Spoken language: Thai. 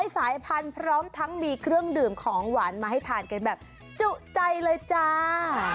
ทั้งมีเครื่องดื่มของหวานมาให้ทานกันแบบจุใจเลยจ้า